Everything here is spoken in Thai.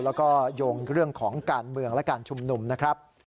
แล้วก็โยงเรื่องของการเมืองและการชุมนุมนะครับ